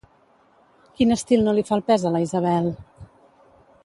Quin estil no li fa el pes a la Isabel?